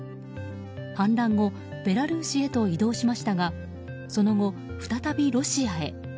反乱後、ベラルーシへと移動しましたがその後、再びロシアへ。